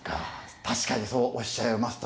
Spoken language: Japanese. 確かにそうおっしゃいました。